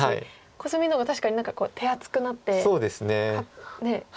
コスミの方が確かに何か手厚くなって普通にも見えた。